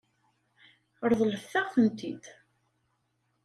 Ṛeḍlet-aɣ-tent-id.